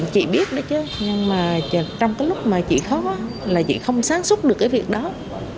chị biết đó chứ nhưng mà trong cái lúc mà chị khó là chị không sáng xuất được cái việc đó